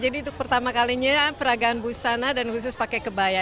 jadi untuk pertama kalinya peragaan busana dan khusus pakai kebaya